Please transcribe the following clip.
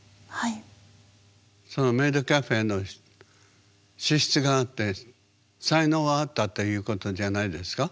メイドカフェの資質があって才能があったということじゃないですか？